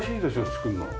作るの。